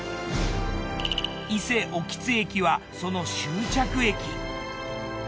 伊勢奥津駅はその終着駅。